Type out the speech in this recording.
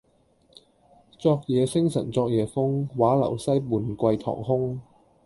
昨夜星辰昨夜風，畫樓西畔桂堂東。